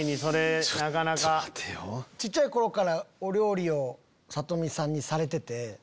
小っちゃい頃からお料理をさと美さんにされてて。